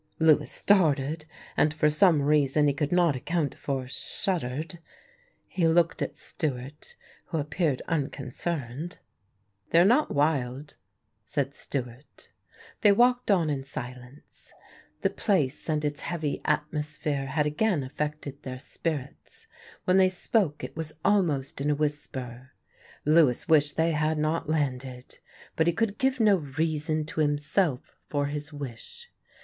Lewis started, and for some reason he could not account for, shuddered; he looked at Stewart, who appeared unconcerned. "They are not wild," said Stewart. They walked on in silence. The place and its heavy atmosphere had again affected their spirits. When they spoke it was almost in a whisper. Lewis wished they had not landed, but he could give no reason to himself for his wish.